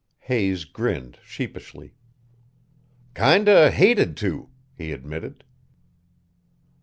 Hayes grinned sheepishly. "Kinda hated to," he admitted.